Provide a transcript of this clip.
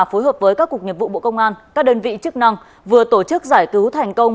phối hợp với các cục nghiệp vụ bộ công an các đơn vị chức năng vừa tổ chức giải cứu thành công